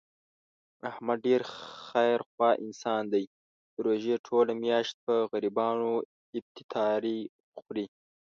احمد ډېر خیر خوا انسان دی، د روژې ټوله میاشت په غریبانو افطاري خوري.